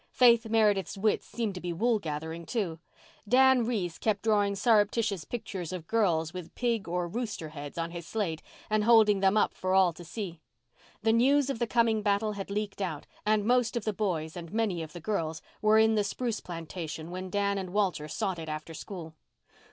Faith Meredith's wits seemed to be wool gathering, too. Dan Reese kept drawing surreptitious pictures of girls, with pig or rooster heads, on his slate and holding them up for all to see. The news of the coming battle had leaked out and most of the boys and many of the girls were in the spruce plantation when Dan and Walter sought it after school.